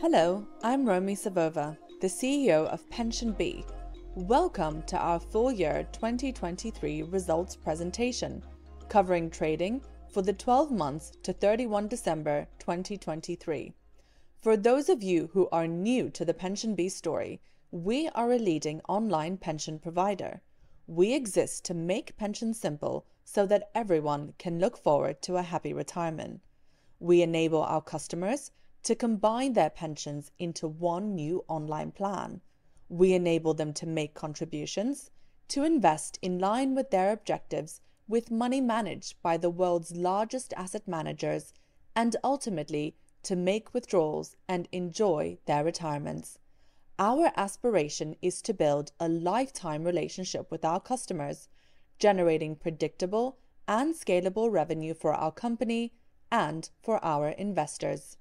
Hello, I'm Romi Savova, the CEO of PensionBee. Welcome to our full-year 2023 results presentation, covering trading for the 12 months to 31 December 2023. For those of you who are new to the PensionBee story, we are a leading online pension provider. We exist to make pensions simple so that everyone can look forward to a happy retirement. We enable our customers to combine their pensions into one new online plan. We enable them to make contributions, to invest in line with their objectives with money managed by the world's largest asset managers, and ultimately to make withdrawals and enjoy their retirements. Our aspiration is to build a lifetime relationship with our customers, generating predictable and scalable revenue for our company and for our investors.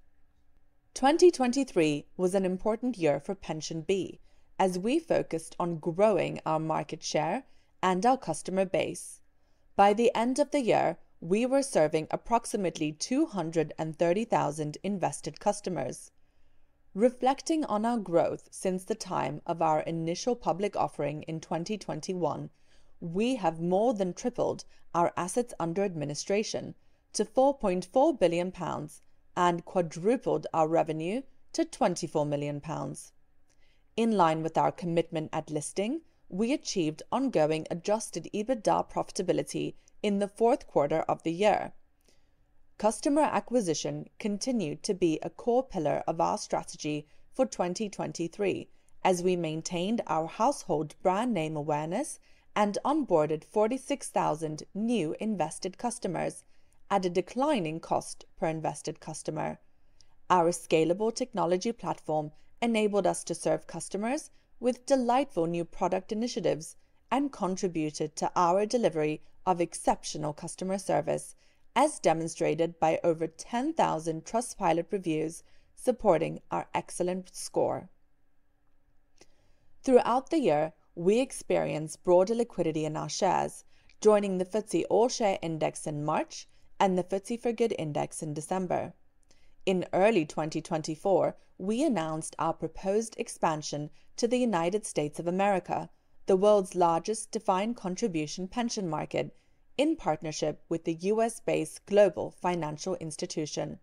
2023 was an important year for PensionBee as we focused on growing our market share and our customer base. By the end of the year, we were serving approximately 230,000 invested customers. Reflecting on our growth since the time of our initial public offering in 2021, we have more than tripled our assets under administration to 4.4 billion pounds and quadrupled our revenue to 24 million pounds. In line with our commitment at listing, we achieved ongoing adjusted EBITDA profitability in the fourth quarter of the year. Customer acquisition continued to be a core pillar of our strategy for 2023 as we maintained our household brand name awareness and onboarded 46,000 new invested customers at a declining cost per invested customer. Our scalable technology platform enabled us to serve customers with delightful new product initiatives and contributed to our delivery of exceptional customer service, as demonstrated by over 10,000 Trustpilot reviews supporting our excellent score. Throughout the year, we experienced broader liquidity in our shares, joining the FTSE All-Share Index in March and the FTSE4Good Index in December. In early 2024, we announced our proposed expansion to the United States of America, the world's largest defined contribution pension market, in partnership with the U.S.-based global financial institution.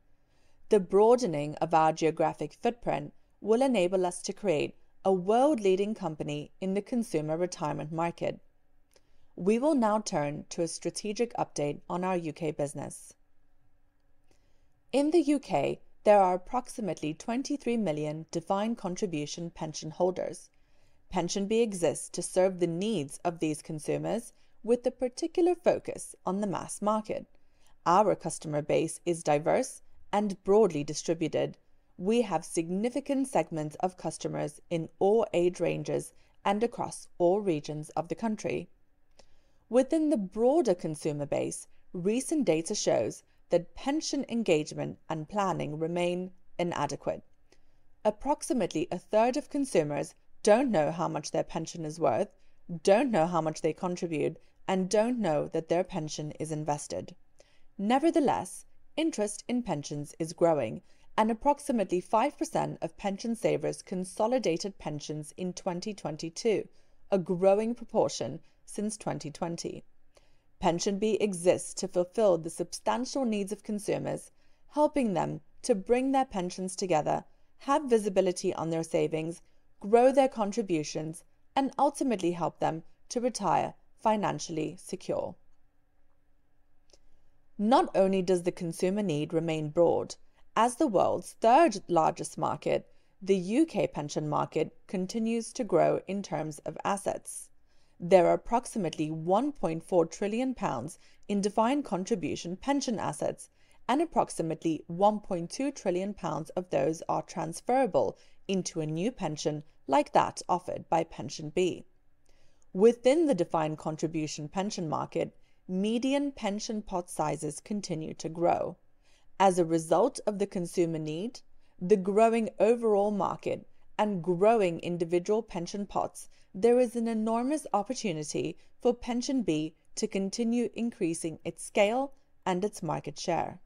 The broadening of our geographic footprint will enable us to create a world-leading company in the consumer retirement market. We will now turn to a strategic update on our U.K. business. In the U.K., there are approximately 23 million defined contribution pension holders. PensionBee exists to serve the needs of these consumers with a particular focus on the mass market. Our customer base is diverse and broadly distributed. We have significant segments of customers in all age ranges and across all regions of the country. Within the broader consumer base, recent data shows that pension engagement and planning remain inadequate. Approximately a third of consumers don't know how much their pension is worth, don't know how much they contribute, and don't know that their pension is invested. Nevertheless, interest in pensions is growing, and approximately 5% of pension savers consolidated pensions in 2022, a growing proportion since 2020. PensionBee exists to fulfill the substantial needs of consumers, helping them to bring their pensions together, have visibility on their savings, grow their contributions, and ultimately help them to retire financially secure. Not only does the consumer need remain broad, as the world's third-largest market, the U.K. pension market continues to grow in terms of assets. There are approximately 1.4 trillion pounds in defined contribution pension assets, and approximately 1.2 trillion pounds of those are transferable into a new pension like that offered by PensionBee. Within the defined contribution pension market, median pension pot sizes continue to grow. As a result of the consumer need, the growing overall market, and growing individual pension pots, there is an enormous opportunity for PensionBee to continue increasing its scale and its market share.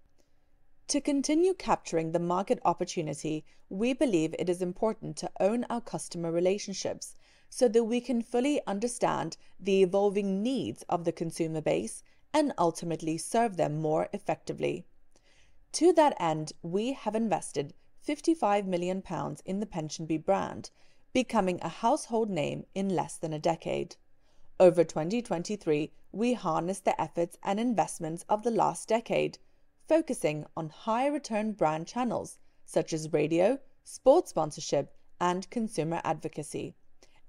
To continue capturing the market opportunity, we believe it is important to own our customer relationships so that we can fully understand the evolving needs of the consumer base and ultimately serve them more effectively. To that end, we have invested 55 million pounds in the PensionBee brand, becoming a household name in less than a decade. Over 2023, we harnessed the efforts and investments of the last decade, focusing on high-return brand channels such as radio, sports sponsorship, and consumer advocacy.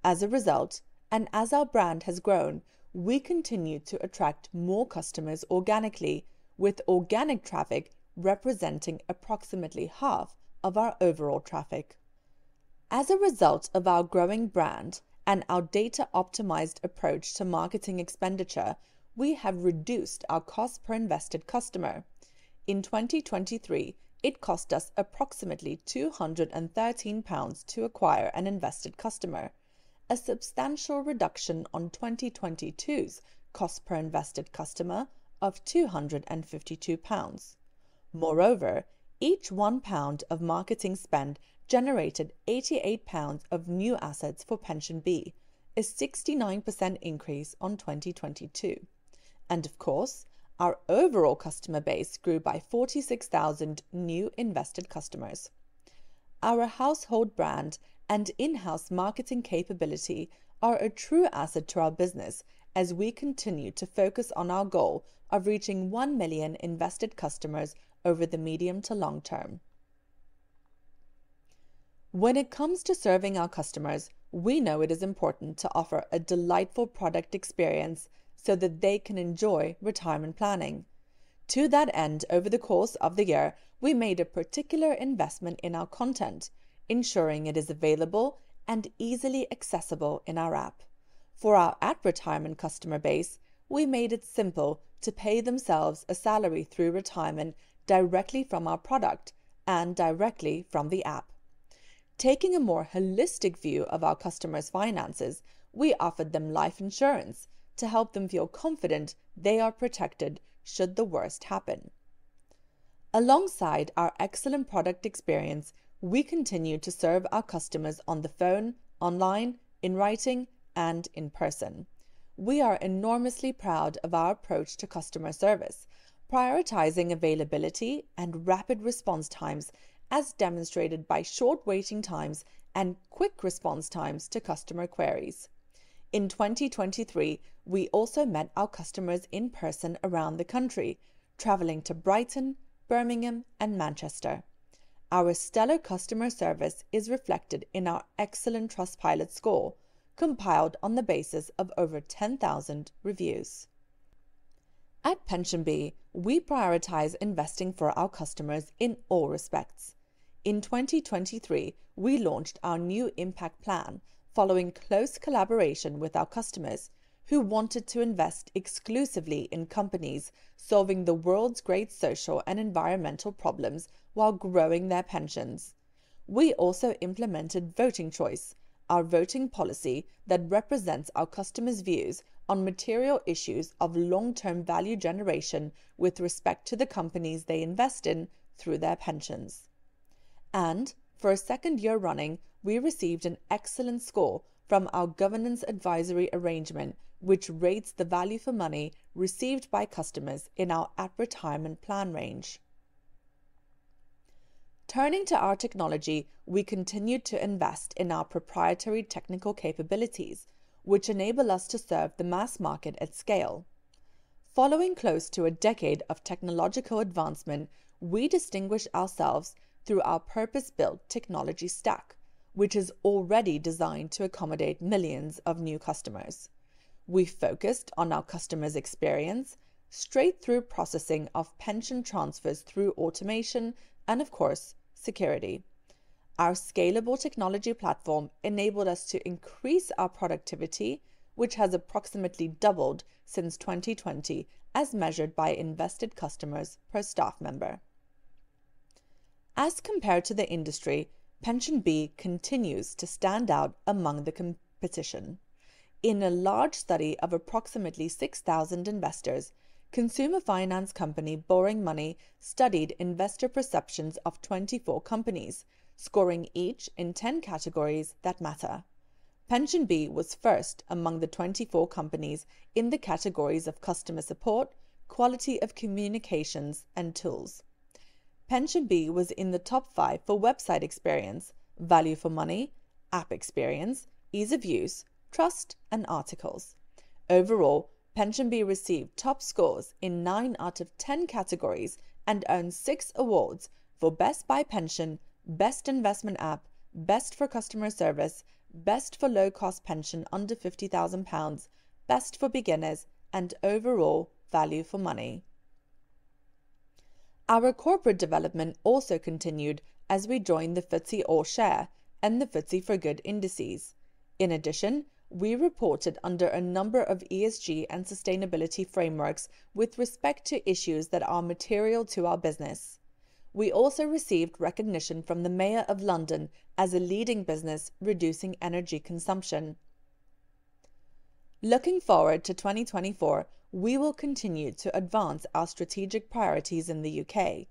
As a result, and as our brand has grown, we continue to attract more customers organically, with organic traffic representing approximately half of our overall traffic. As a result of our growing brand and our data-optimized approach to marketing expenditure, we have reduced our cost per invested customer. In 2023, it cost us approximately 213 pounds to acquire an invested customer, a substantial reduction on 2022's cost per invested customer of 252 pounds. Moreover, each 1 pound of marketing spend generated 88 pounds of new assets for PensionBee, a 69% increase on 2022. And of course, our overall customer base grew by 46,000 new invested customers. Our household brand and in-house marketing capability are a true asset to our business as we continue to focus on our goal of reaching 1 million invested customers over the medium to long term. When it comes to serving our customers, we know it is important to offer a delightful product experience so that they can enjoy retirement planning. To that end, over the course of the year, we made a particular investment in our content, ensuring it is available and easily accessible in our app. For our retirement customer base, we made it simple to pay themselves a salary through retirement directly from our product and directly from the app. Taking a more holistic view of our customers' finances, we offered them life insurance to help them feel confident they are protected should the worst happen. Alongside our excellent product experience, we continue to serve our customers on the phone, online, in writing, and in person. We are enormously proud of our approach to customer service, prioritizing availability and rapid response times as demonstrated by short waiting times and quick response times to customer queries. In 2023, we also met our customers in person around the country, traveling to Brighton, Birmingham, and Manchester. Our stellar customer service is reflected in our excellent Trustpilot score compiled on the basis of over 10,000 reviews. At PensionBee, we prioritize investing for our customers in all respects. In 2023, we launched our new Impact Plan following close collaboration with our customers who wanted to invest exclusively in companies solving the world's great social and environmental problems while growing their pensions. We also implemented Voting Choice, our voting policy that represents our customers' views on material issues of long-term value generation with respect to the companies they invest in through their pensions. For a second year running, we received an excellent score from our Governance Advisory Arrangement, which rates the value for money received by customers in our retirement plan range. Turning to our technology, we continue to invest in our proprietary technical capabilities, which enable us to serve the mass market at scale. Following close to a decade of technological advancement, we distinguish ourselves through our purpose-built technology stack, which is already designed to accommodate millions of new customers. We focused on our customers' experience straight through processing of pension transfers through automation and, of course, security. Our scalable technology platform enabled us to increase our productivity, which has approximately doubled since 2020 as measured by invested customers per staff member. As compared to the industry, PensionBee continues to stand out among the competition. In a large study of approximately 6,000 investors, consumer finance company Boring Money studied investor perceptions of 24 companies, scoring each in 10 categories that matter. PensionBee was first among the 24 companies in the categories of customer support, quality of communications, and tools. PensionBee was in the top five for website experience, value for money, app experience, ease of use, trust, and articles. Overall, PensionBee received top scores in nine out of 10 categories and earned six awards for Best Buy Pension, Best Investment App, Best for Customer Service, Best for Low-Cost Pension Under 50,000 pounds, Best for Beginners, and Overall Value for Money. Our corporate development also continued as we joined the FTSE-All Share and the FTSE4Good indices. In addition, we reported under a number of ESG and sustainability frameworks with respect to issues that are material to our business. We also received recognition from the Mayor of London as a leading business reducing energy consumption. Looking forward to 2024, we will continue to advance our strategic priorities in the U.K..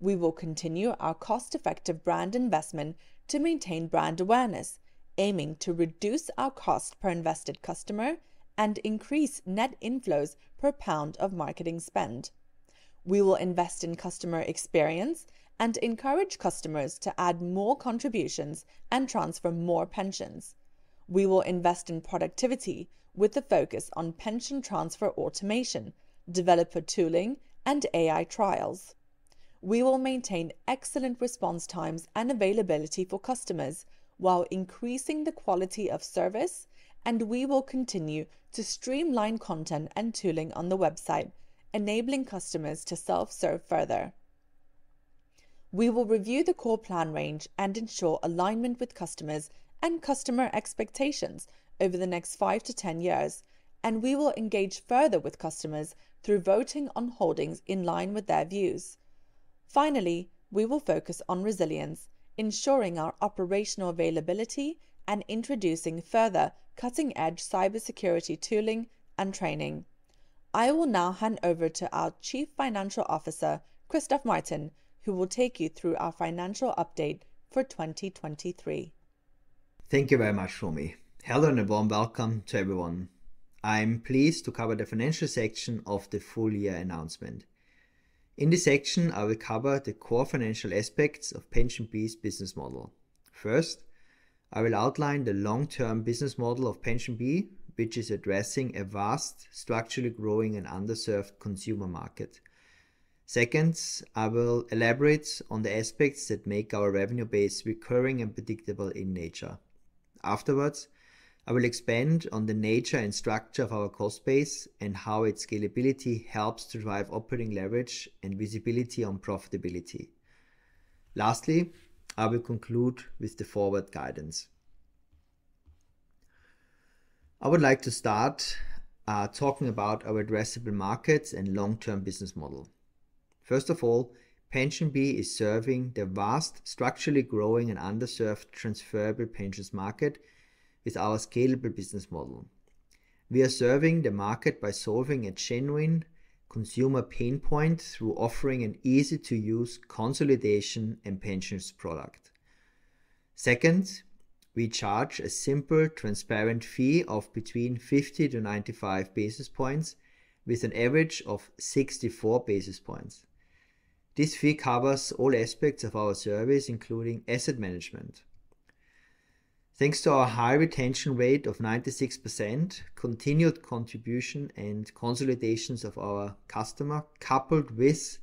We will continue our cost-effective brand investment to maintain brand awareness, aiming to reduce our cost per invested customer and increase net inflows per pound of marketing spend. We will invest in customer experience and encourage customers to add more contributions and transfer more pensions. We will invest in productivity with the focus on pension transfer automation, developer tooling, and AI trials. We will maintain excellent response times and availability for customers while increasing the quality of service, and we will continue to streamline content and tooling on the website, enabling customers to self-serve further. We will review the core plan range and ensure alignment with customers and customer expectations over the next five-10 years, and we will engage further with customers through voting on holdings in line with their views. Finally, we will focus on resilience, ensuring our operational availability and introducing further cutting-edge cybersecurity tooling and training. I will now hand over to our Chief Financial Officer, Christoph Martin, who will take you through our financial update for 2023. Thank you very much, Romi. Hello and a warm welcome to everyone. I'm pleased to cover the financial section of the full year announcement. In this section, I will cover the core financial aspects of PensionBee's business model. First, I will outline the long-term business model of PensionBee, which is addressing a vast, structurally growing, and underserved consumer market. Second, I will elaborate on the aspects that make our revenue base recurring and predictable in nature. Afterwards, I will expand on the nature and structure of our cost base and how its scalability helps to drive operating leverage and visibility on profitability. Lastly, I will conclude with the forward guidance. I would like to start talking about our addressable markets and long-term business model. First of all, PensionBee is serving the vast, structurally growing, and underserved transferable pensions market with our scalable business model. We are serving the market by solving a genuine consumer pain point through offering an easy-to-use consolidation and pensions product. Second, we charge a simple, transparent fee of between 50-95 basis points with an average of 64 basis points. This fee covers all aspects of our service, including asset management. Thanks to our high retention rate of 96%, continued contribution and consolidations of our customer, coupled with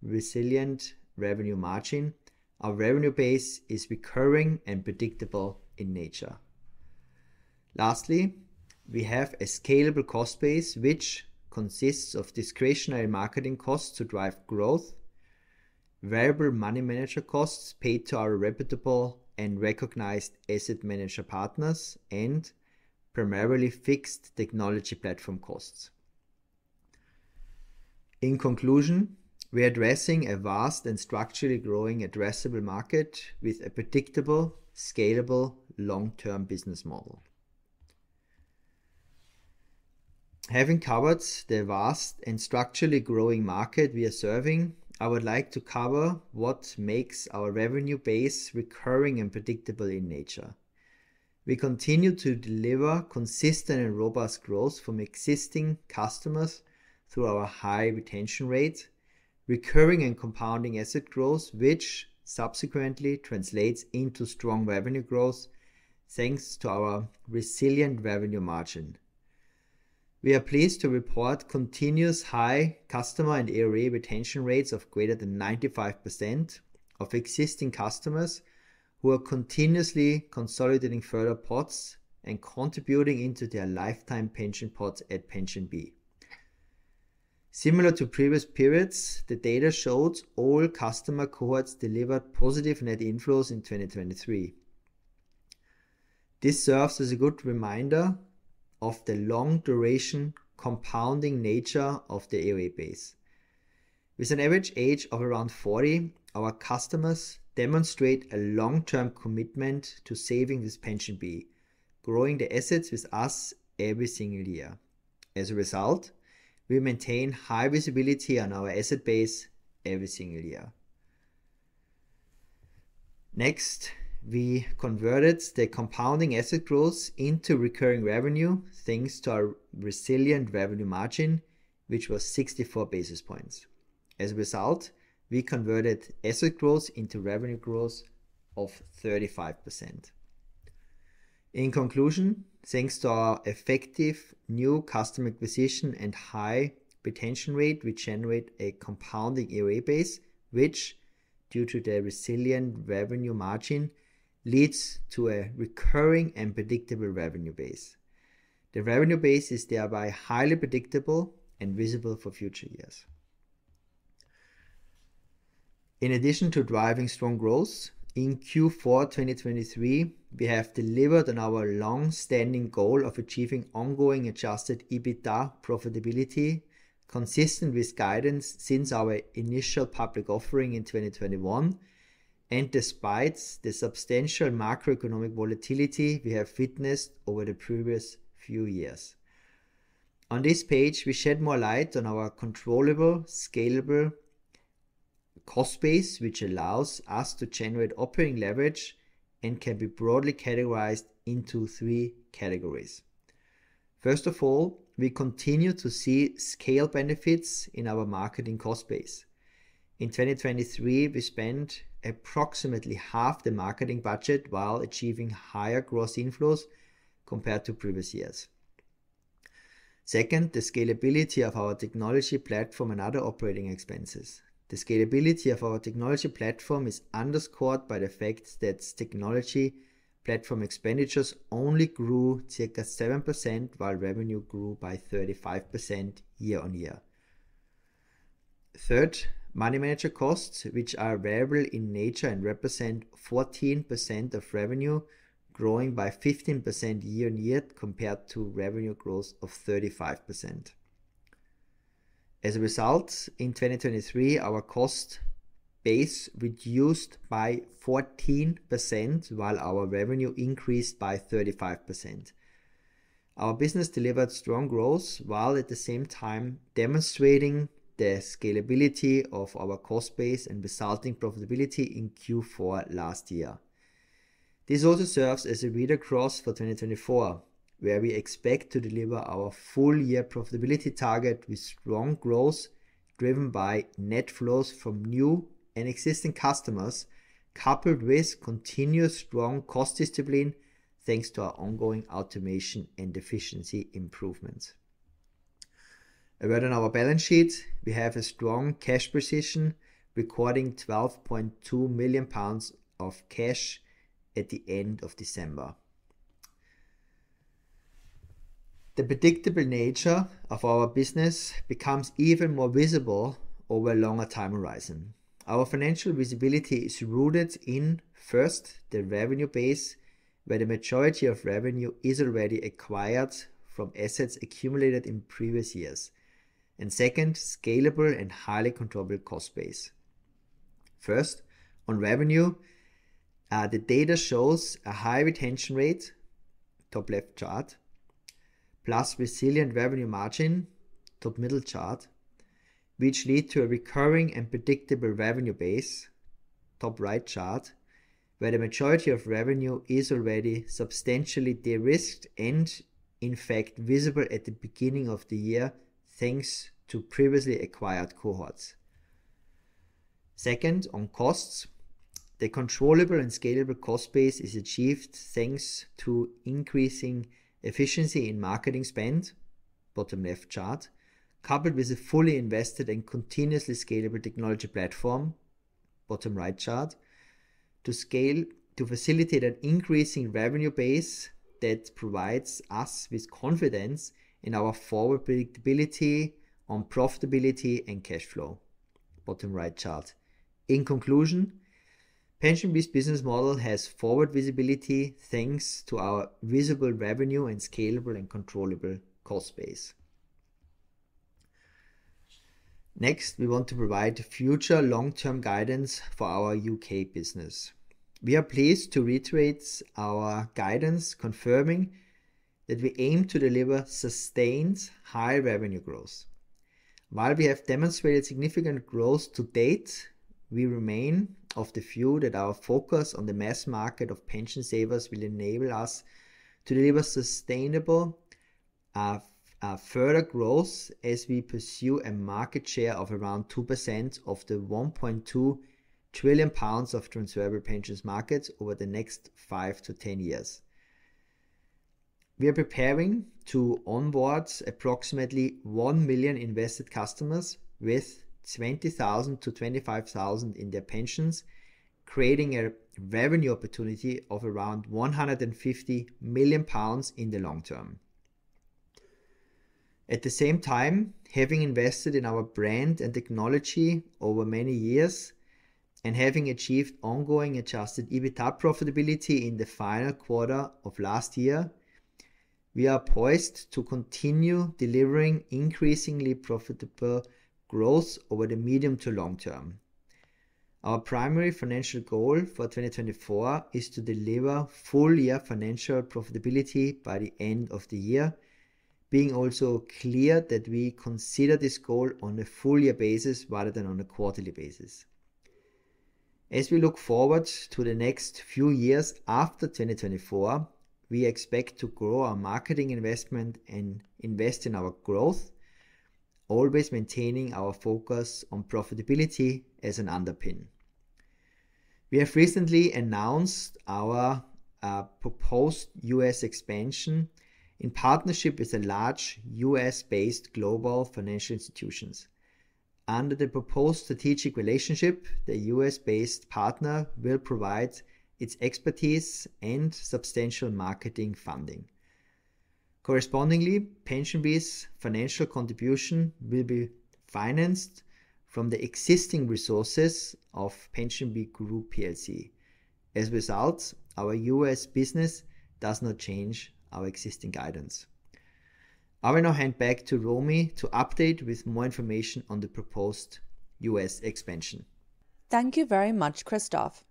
resilient revenue margin, our revenue base is recurring and predictable in nature. Lastly, we have a scalable cost base, which consists of discretionary marketing costs to drive growth, variable money manager costs paid to our reputable and recognized asset manager partners, and primarily fixed technology platform costs. In conclusion, we are addressing a vast and structurally growing addressable market with a predictable, scalable, long-term business model. Having covered the vast and structurally growing market we are serving, I would like to cover what makes our revenue base recurring and predictable in nature. We continue to deliver consistent and robust growth from existing customers through our high retention rate, recurring and compounding asset growth, which subsequently translates into strong revenue growth thanks to our resilient revenue margin. We are pleased to report continuous high customer and AUA retention rates of greater than 95% of existing customers who are continuously consolidating further pots and contributing into their lifetime pension pots at PensionBee. Similar to previous periods, the data showed all customer cohorts delivered positive net inflows in 2023. This serves as a good reminder of the long-duration, compounding nature of the AUA base. With an average age of around 40, our customers demonstrate a long-term commitment to saving with PensionBee, growing their assets with us every single year. As a result, we maintain high visibility on our asset base every single year. Next, we converted the compounding asset growth into recurring revenue thanks to our resilient revenue margin, which was 64 basis points. As a result, we converted asset growth into revenue growth of 35%. In conclusion, thanks to our effective new customer acquisition and high retention rate, we generate a compounding AUA base, which, due to the resilient revenue margin, leads to a recurring and predictable revenue base. The revenue base is thereby highly predictable and visible for future years. In addition to driving strong growth, in Q4 2023, we have delivered on our long-standing goal of achieving ongoing adjusted EBITDA profitability, consistent with guidance since our initial public offering in 2021, and despite the substantial macroeconomic volatility we have witnessed over the previous few years. On this page, we shed more light on our controllable scalable cost base, which allows us to generate operating leverage and can be broadly categorized into three categories. First of all, we continue to see scale benefits in our marketing cost base. In 2023, we spent approximately half the marketing budget while achieving higher gross inflows compared to previous years. Second, the scalability of our technology platform and other operating expenses. The scalability of our technology platform is underscored by the fact that technology platform expenditures only grew ca. 7% while revenue grew by 35% year-over-year. Third, money manager costs, which are variable in nature and represent 14% of revenue, growing by 15% year-over-year compared to revenue growth of 35%. As a result, in 2023, our cost base reduced by 14% while our revenue increased by 35%. Our business delivered strong growth while at the same time demonstrating the scalability of our cost base and resulting profitability in Q4 last year. This also serves as a read-across for 2024, where we expect to deliver our full year profitability target with strong growth driven by net flows from new and existing customers, coupled with continuous strong cost discipline thanks to our ongoing automation and efficiency improvements. As for our balance sheet, we have a strong cash position, recording 12.2 million pounds of cash at the end of December. The predictable nature of our business becomes even more visible over a longer time horizon. Our financial visibility is rooted in, first, the revenue base, where the majority of revenue is already acquired from assets accumulated in previous years, and second, scalable and highly controllable cost base. First, on revenue, the data shows a high retention rate (top left chart) plus resilient revenue margin (top middle chart), which lead to a recurring and predictable revenue base (top right chart), where the majority of revenue is already substantially de-risked and, in fact, visible at the beginning of the year thanks to previously acquired cohorts. Second, on costs, the controllable and scalable cost base is achieved thanks to increasing efficiency in marketing spend (bottom left chart), coupled with a fully invested and continuously scalable technology platform (bottom right chart), to facilitate an increasing revenue base that provides us with confidence in our forward predictability on profitability and cash flow (bottom right chart). In conclusion, PensionBee's business model has forward visibility thanks to our visible revenue and scalable and controllable cost base. Next, we want to provide future long-term guidance for our U.K. business. We are pleased to reiterate our guidance, confirming that we aim to deliver sustained, high revenue growth. While we have demonstrated significant growth to date, we remain one of the few that our focus on the mass market of pension savers will enable us to deliver sustainable further growth as we pursue a market share of around 2% of the 1.2 trillion pounds transferable pensions market over the next 5-10 years. We are preparing to onboard approximately 1 million invested customers with 20,000-25,000 in their pensions, creating a revenue opportunity of around 150 million pounds in the long term. At the same time, having invested in our brand and technology over many years and having achieved ongoing adjusted EBITDA profitability in the final quarter of last year, we are poised to continue delivering increasingly profitable growth over the medium to long term. Our primary financial goal for 2024 is to deliver full year financial profitability by the end of the year, being also clear that we consider this goal on a full year basis rather than on a quarterly basis. As we look forward to the next few years after 2024, we expect to grow our marketing investment and invest in our growth, always maintaining our focus on profitability as an underpin. We have recently announced our proposed U.S. expansion in partnership with a large U.S.-based global financial institutions. Under the proposed strategic relationship, the U.S.-based partner will provide its expertise and substantial marketing funding. Correspondingly, PensionBee's financial contribution will be financed from the existing resources of PensionBee Group PLC. As a result, our U.S. business does not change our existing guidance. I will now hand back to Romi to update with more information on the proposed U.S. expansion. Thank you very much, Christoph.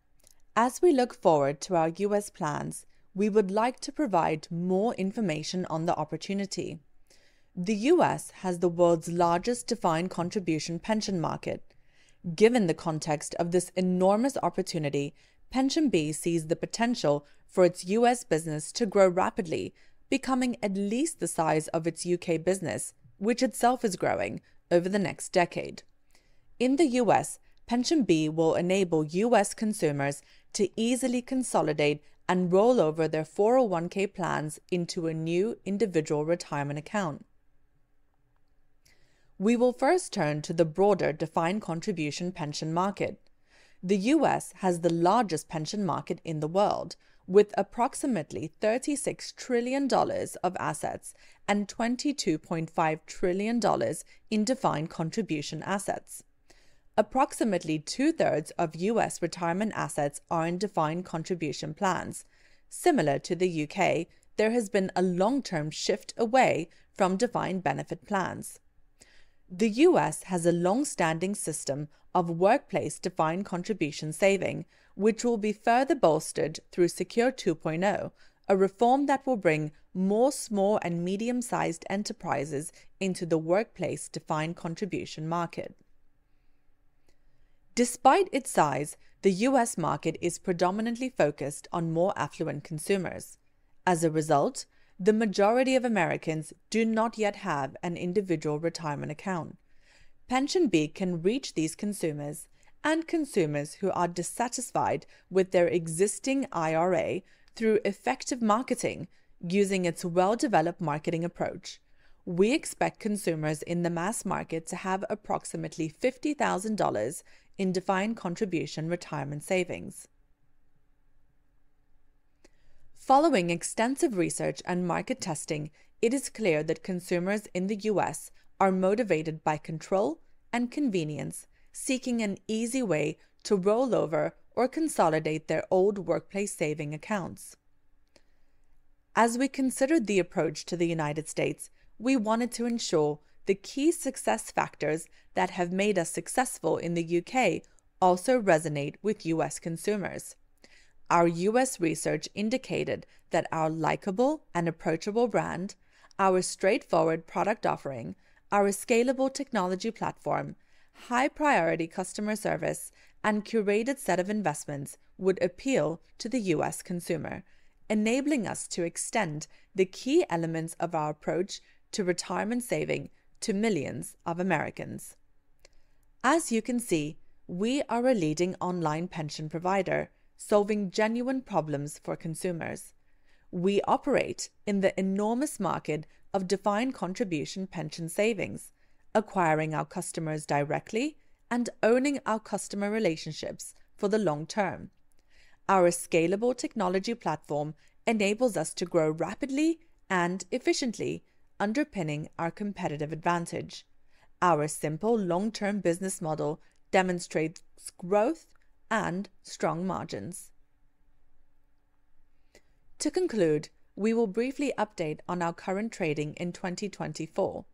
As we look forward to our U.S. plans, we would like to provide more information on the opportunity. The U.S. has the world's largest defined contribution pension market. Given the context of this enormous opportunity, PensionBee sees the potential for its U.S. business to grow rapidly, becoming at least the size of its U.K. business, which itself is growing, over the next decade. In the U.S., PensionBee will enable U.S. consumers to easily consolidate and roll over their 401(k) plans into a new individual retirement account. We will first turn to the broader defined contribution pension market. The U.S. has the largest pension market in the world, with approximately $36 trillion of assets and $22.5 trillion in defined contribution assets. Approximately two-thirds of U.S. retirement assets are in defined contribution plans. Similar to the U.K., there has been a long-term shift away from defined benefit plans. The U.S. has a long-standing system of workplace defined contribution saving, which will be further bolstered through Secure 2.0, a reform that will bring more small and medium-sized enterprises into the workplace Defined Contribution market. Despite its size, the U.S. market is predominantly focused on more affluent consumers. As a result, the majority of Americans do not yet have an individual retirement account. PensionBee can reach these consumers and consumers who are dissatisfied with their existing IRA through effective marketing using its well-developed marketing approach. We expect consumers in the mass market to have approximately $50,000 in defined contribution retirement savings. Following extensive research and market testing, it is clear that consumers in the U.S. are motivated by control and convenience, seeking an easy way to roll over or consolidate their old workplace saving accounts. As we considered the approach to the United States, we wanted to ensure the key success factors that have made us successful in the U.K. also resonate with U.S. consumers. Our U.S. research indicated that our likable and approachable brand, our straightforward product offering, our scalable technology platform, high-priority customer service, and curated set of investments would appeal to the U.S. consumer, enabling us to extend the key elements of our approach to retirement saving to millions of Americans. As you can see, we are a leading online pension provider solving genuine problems for consumers. We operate in the enormous market of defined contribution pension savings, acquiring our customers directly and owning our customer relationships for the long term. Our scalable technology platform enables us to grow rapidly and efficiently, underpinning our competitive advantage. Our simple long-term business model demonstrates growth and strong margins. To conclude, we will briefly update on our current trading in 2024.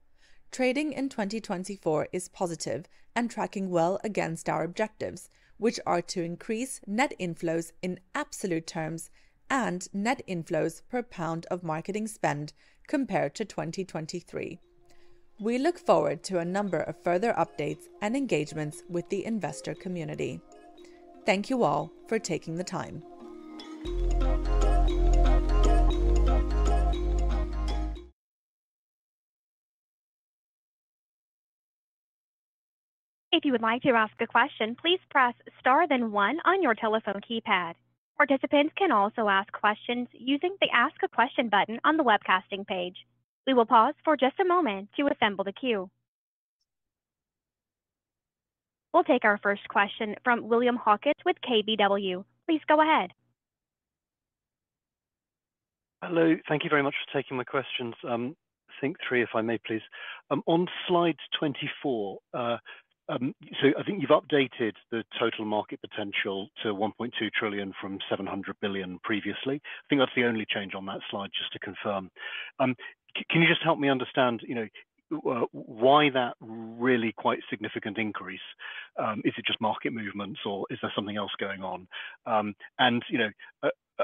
Trading in 2024 is positive and tracking well against our objectives, which are to increase net inflows in absolute terms and net inflows per pound of marketing spend compared to 2023. We look forward to a number of further updates and engagements with the investor community. Thank you all for taking the time. If you would like to ask a question, please press star then one on your telephone keypad. Participants can also ask questions using the Ask a Question button on the webcasting page. We will pause for just a moment to assemble the queue. We'll take our first question from William Hawkins with KBW. Please go ahead. Hello. Thank you very much for taking my questions. I have three, if I may, please. On slide 24, so I think you've updated the total market potential to 1.2 trillion from 700 billion previously. I think that's the only change on that slide, just to confirm. Can you just help me understand why that really quite significant increase? Is it just market movements, or is there something else going on? And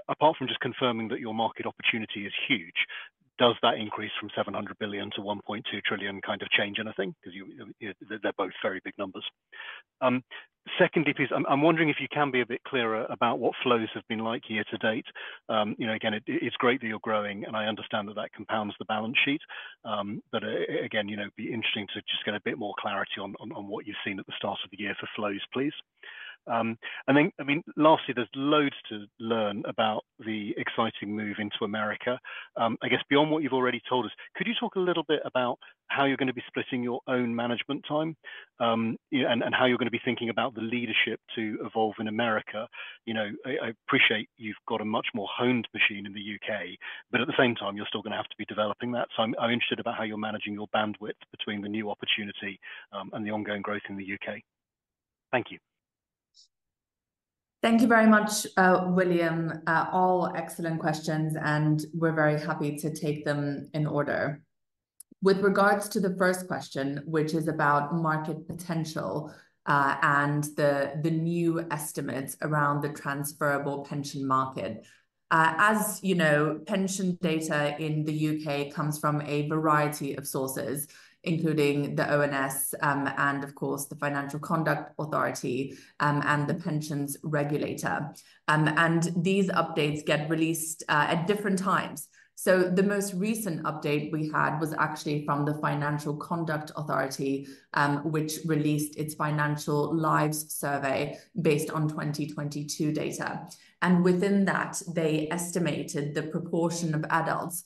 apart from just confirming that your market opportunity is huge, does that increase from 700 billion to 1.2 trillion kind of change anything? Because they're both very big numbers. Secondly, please, I'm wondering if you can be a bit clearer about what flows have been like year to date. Again, it's great that you're growing, and I understand that that compounds the balance sheet. But again, it'd be interesting to just get a bit more clarity on what you've seen at the start of the year for flows, please. And then, I mean, lastly, there's loads to learn about the exciting move into America. I guess beyond what you've already told us, could you talk a little bit about how you're going to be splitting your own management time and how you're going to be thinking about the leadership to evolve in America? I appreciate you've got a much more honed machine in the U.K., but at the same time, you're still going to have to be developing that. So I'm interested about how you're managing your bandwidth between the new opportunity and the ongoing growth in the U.K. Thank you. Thank you very much, William. All excellent questions, and we're very happy to take them in order. With regards to the first question, which is about market potential and the new estimates around the transferable pension market, as you know, pension data in the U.K. comes from a variety of sources, including the ONS and, of course, the Financial Conduct Authority and the Pensions Regulator. These updates get released at different times. The most recent update we had was actually from the Financial Conduct Authority, which released its Financial Lives Survey based on 2022 data. Within that, they estimated the proportion of adults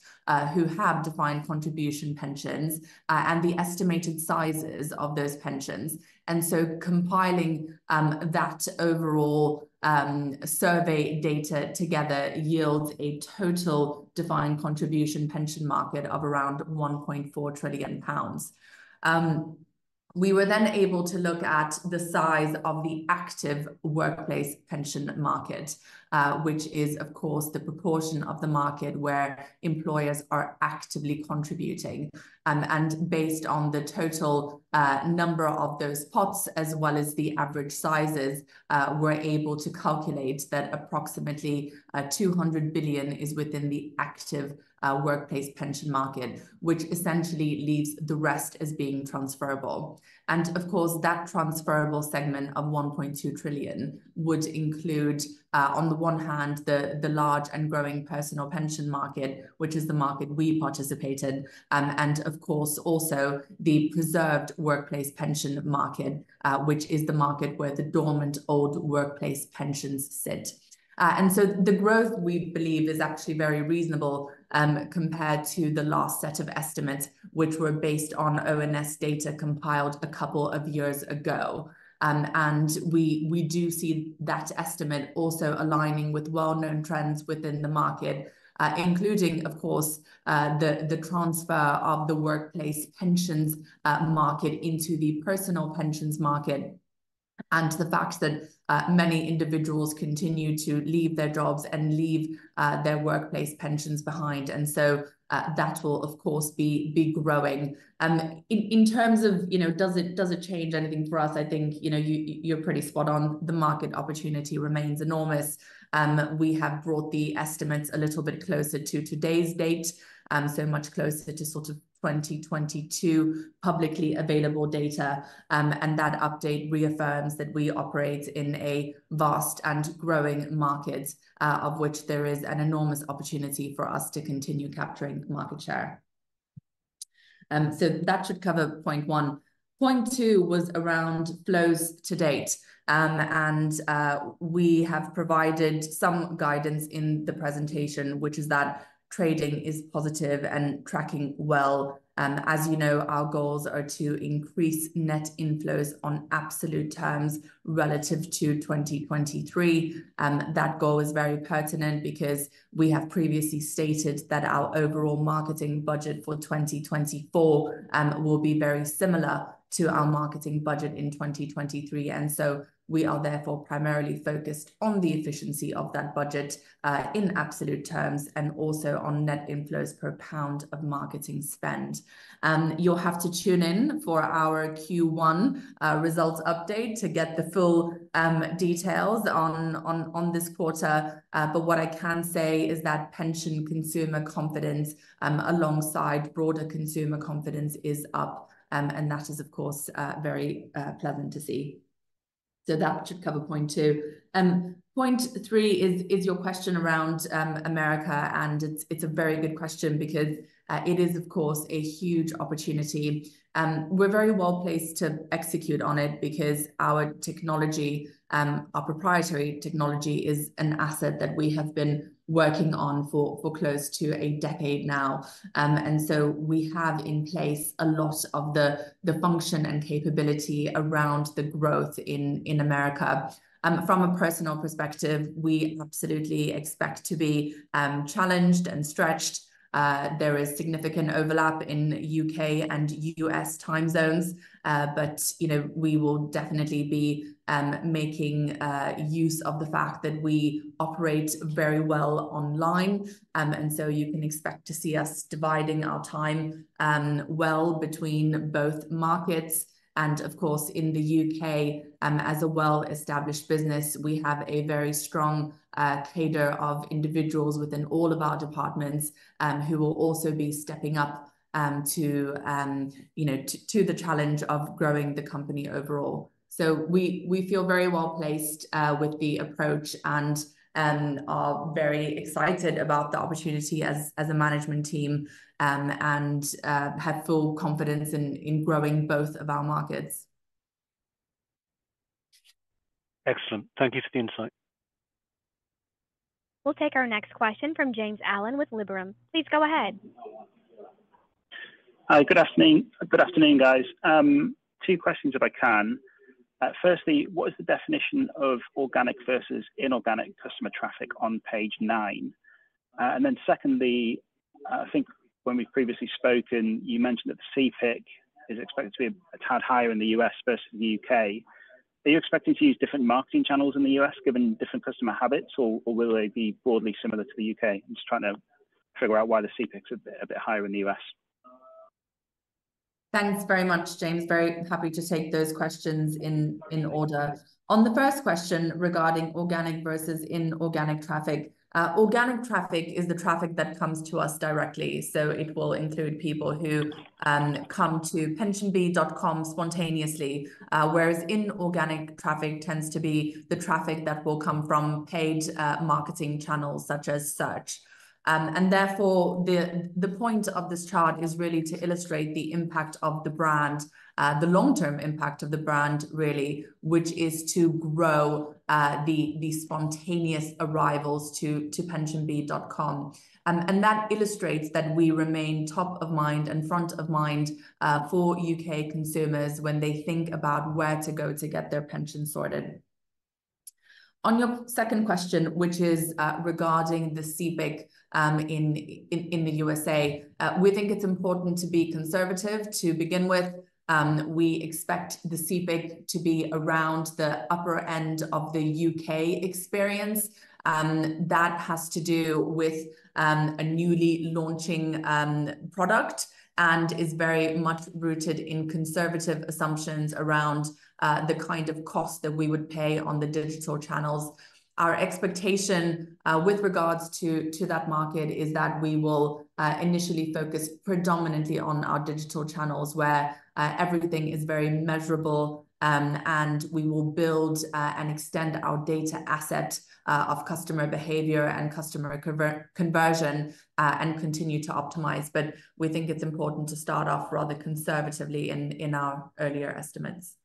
who have defined contribution pensions and the estimated sizes of those pensions. So compiling that overall survey data together yields a total defined contribution pension market of around 1.4 trillion pounds. We were then able to look at the size of the active workplace pension market, which is, of course, the proportion of the market where employers are actively contributing. Based on the total number of those pots, as well as the average sizes, we're able to calculate that approximately 200 billion is within the active workplace pension market, which essentially leaves the rest as being transferable. Of course, that transferable segment of 1.2 trillion would include, on the one hand, the large and growing personal pension market, which is the market we participated in, and of course, also the preserved workplace pension market, which is the market where the dormant old workplace pensions sit. The growth we believe is actually very reasonable compared to the last set of estimates, which were based on ONS data compiled a couple of years ago. We do see that estimate also aligning with well-known trends within the market, including, of course, the transfer of the workplace pensions market into the personal pensions market and the fact that many individuals continue to leave their jobs and leave their workplace pensions behind. That will, of course, be growing. In terms of, does it change anything for us? I think you're pretty spot on. The market opportunity remains enormous. We have brought the estimates a little bit closer to today's date, so much closer to sort of 2022 publicly available data. That update reaffirms that we operate in a vast and growing market, of which there is an enormous opportunity for us to continue capturing market share. That should cover point one. Point two was around flows to date. We have provided some guidance in the presentation, which is that trading is positive and tracking well. As you know, our goals are to increase net inflows on absolute terms relative to 2023. That goal is very pertinent because we have previously stated that our overall marketing budget for 2024 will be very similar to our marketing budget in 2023. And so we are therefore primarily focused on the efficiency of that budget in absolute terms and also on net inflows per pound of marketing spend. You'll have to tune in for our Q1 results update to get the full details on this quarter. But what I can say is that pension consumer confidence alongside broader consumer confidence is up. And that is, of course, very pleasant to see. So that should cover point two. Point three is your question around America. It's a very good question because it is, of course, a huge opportunity. We're very well placed to execute on it because our technology, our proprietary technology, is an asset that we have been working on for close to a decade now. And so we have in place a lot of the function and capability around the growth in America. From a personal perspective, we absolutely expect to be challenged and stretched. There is significant overlap in U.K. and U.S. time zones. But we will definitely be making use of the fact that we operate very well online. And so you can expect to see us dividing our time well between both markets. Of course, in the U.K., as a well-established business, we have a very strong cadre of individuals within all of our departments who will also be stepping up to the challenge of growing the company overall. We feel very well placed with the approach and are very excited about the opportunity as a management team and have full confidence in growing both of our markets. Excellent. Thank you for the insight. We'll take our next question from James Allen with Liberum. Please go ahead. Hi. Good afternoon, guys. Two questions if I can. Firstly, what is the definition of organic versus inorganic customer traffic on page nine? And then secondly, I think when we've previously spoken, you mentioned that the CPIC is expected to be a tad higher in the U.S. versus the U.K.. Are you expecting to use different marketing channels in the U.S. given different customer habits, or will they be broadly similar to the U.K.? I'm just trying to figure out why the CPIC is a bit higher in the U.S.. Thanks very much, James. Very happy to take those questions in order. On the first question regarding organic versus inorganic traffic, organic traffic is the traffic that comes to us directly. So it will include people who come to PensionBee.com spontaneously, whereas inorganic traffic tends to be the traffic that will come from paid marketing channels such as search. And therefore, the point of this chart is really to illustrate the impact of the brand, the long-term impact of the brand, really, which is to grow the spontaneous arrivals to PensionBee.com. And that illustrates that we remain top of mind and front of mind for U.K. consumers when they think about where to go to get their pension sorted. On your second question, which is regarding the CPIC in the U.S.A, we think it's important to be conservative to begin with. We expect the CPIC to be around the upper end of the U.K. experience. That has to do with a newly launching product and is very much rooted in conservative assumptions around the kind of cost that we would pay on the digital channels. Our expectation with regards to that market is that we will initially focus predominantly on our digital channels where everything is very measurable, and we will build and extend our data asset of customer behaviour and customer conversion and continue to optimize. But we think it's important to start off rather conservatively in our earlier estimates.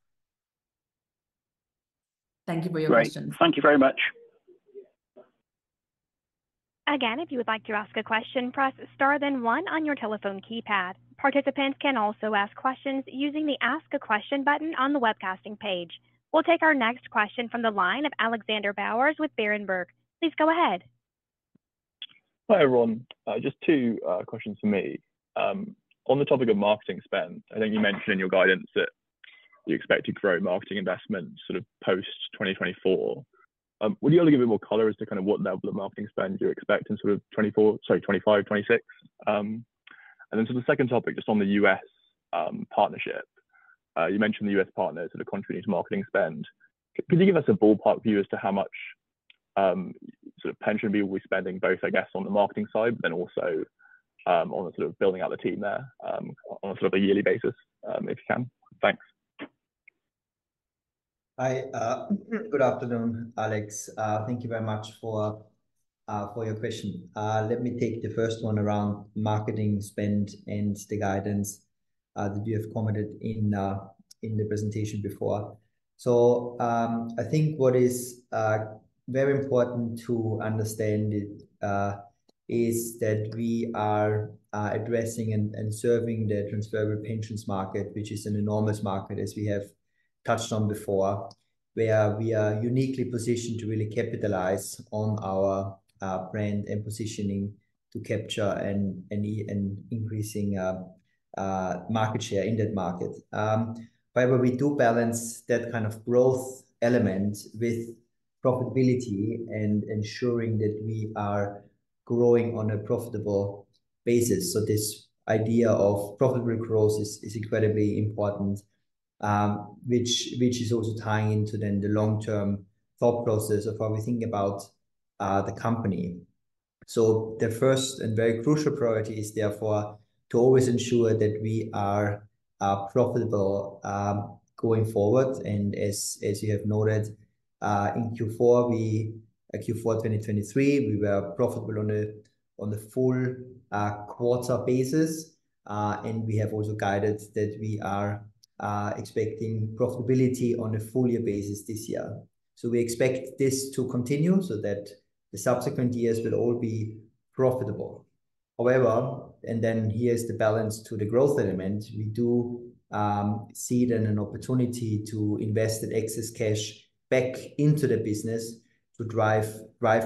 Thank you for your question. Great. Thank you very much. Again, if you would like to ask a question, press star then one on your telephone keypad. Participants can also ask questions using the Ask a Question button on the webcasting page. We'll take our next question from the line of Alexander Bowers with Berenberg. Please go ahead. Hi everyone. Just two questions for me. On the topic of marketing spend, I think you mentioned in your guidance that you expect to grow marketing investment sort of post-2024. Would you be able to give me more color as to kind of what level of marketing spend you expect in sort of 2024 sorry, 2025, 2026? And then sort of the second topic, just on the U.S. partnership, you mentioned the U.S. partner sort of contributing to marketing spend. Could you give us a ballpark view as to how much sort of PensionBee will be spending both, I guess, on the marketing side, but then also on sort of building out the team there on a sort of a yearly basis, if you can? Thanks. Hi. Good afternoon, Alex. Thank you very much for your question. Let me take the first one around marketing spend and the guidance that you have commented on in the presentation before. So I think what is very important to understand is that we are addressing and serving the transferable pensions market, which is an enormous market, as we have touched on before, where we are uniquely positioned to really capitalize on our brand and positioning to capture and increase market share in that market. However, we do balance that kind of growth element with profitability and ensuring that we are growing on a profitable basis. So this idea of profitable growth is incredibly important, which is also tying into then the long-term thought process of how we think about the company. So the first and very crucial priority is therefore to always ensure that we are profitable going forward. And as you have noted, in Q4 2023, we were profitable on a full quarter basis. And we have also guided that we are expecting profitability on a full year basis this year. So we expect this to continue so that the subsequent years will all be profitable. However, and then here's the balance to the growth element, we do see then an opportunity to invest that excess cash back into the business to drive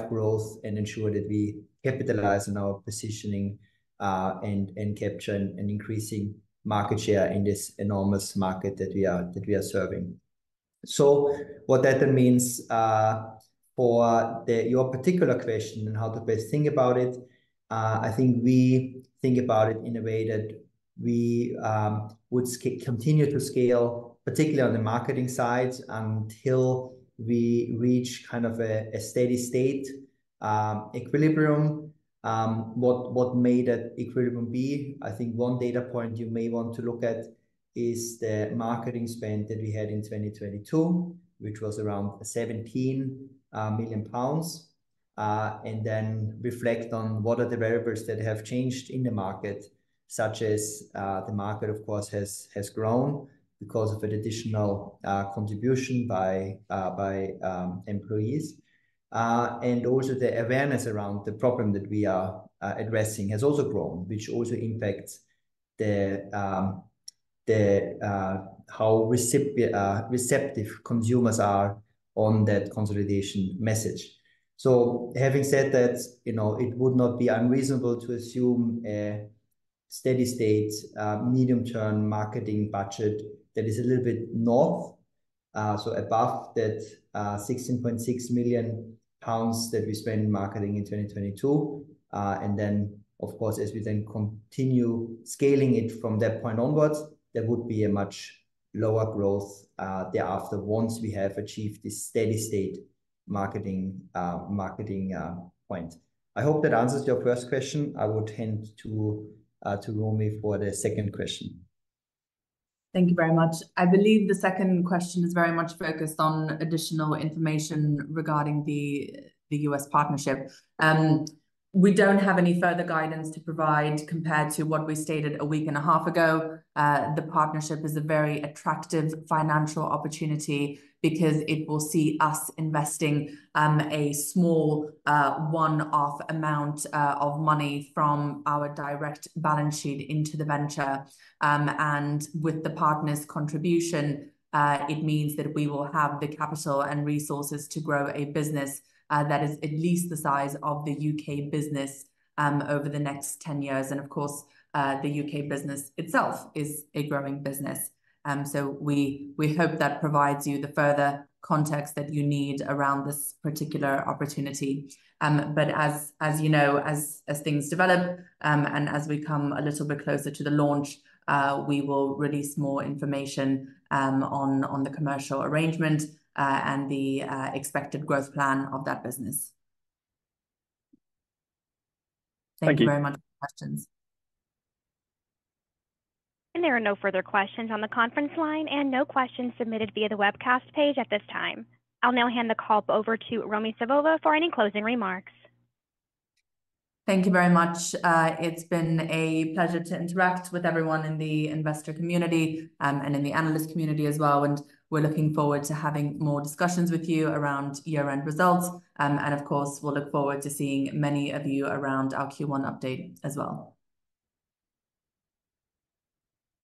growth and ensure that we capitalize on our positioning and capture an increasing market share in this enormous market that we are serving. So what that means for your particular question and how to best think about it, I think we think about it in a way that we would continue to scale, particularly on the marketing side, until we reach kind of a steady state equilibrium. What made that equilibrium be? I think one data point you may want to look at is the marketing spend that we had in 2022, which was around 17 million pounds. Then reflect on what are the variables that have changed in the market, such as the market, of course, has grown because of an additional contribution by employees. Also the awareness around the problem that we are addressing has also grown, which also impacts how receptive consumers are on that consolidation message. So having said that, it would not be unreasonable to assume a steady state medium-term marketing budget that is a little bit north, so above that 16.6 million pounds that we spend in marketing in 2022. Then, of course, as we then continue scaling it from that point onwards, there would be a much lower growth thereafter once we have achieved this steady state marketing point. I hope that answers your first question. I would tend to Romi for the second question. Thank you very much. I believe the second question is very much focused on additional information regarding the U.S. partnership. We don't have any further guidance to provide compared to what we stated a week and a half ago. The partnership is a very attractive financial opportunity because it will see us investing a small one-off amount of money from our direct balance sheet into the venture. With the partner's contribution, it means that we will have the capital and resources to grow a business that is at least the size of the U.K. business over the next 10 years. Of course, the U.K. business itself is a growing business. We hope that provides you the further context that you need around this particular opportunity. But as you know, as things develop and as we come a little bit closer to the launch, we will release more information on the commercial arrangement and the expected growth plan of that business. Thank you very much for the questions. There are no further questions on the conference line and no questions submitted via the webcast page at this time. I'll now hand the call over to Romi Savova for any closing remarks. Thank you very much. It's been a pleasure to interact with everyone in the investor community and in the analyst community as well. We're looking forward to having more discussions with you around year-end results. Of course, we'll look forward to seeing many of you around our Q1 update as well.